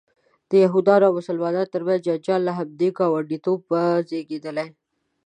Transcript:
د یهودانو او مسلمانانو ترمنځ جنجال له همدې ګاونډیتوبه زیږېدلی.